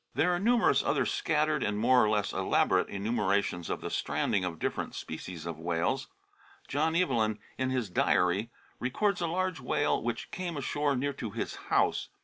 There are numerous other scattered, and more or less elaborate, enumerations of the stranding of different species of whales. John Evelyn, in his Diary, re cords a large whale which came ashore near to his house.